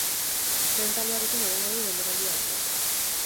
Lehen taldearekin egingo du denboraldi-aurrea.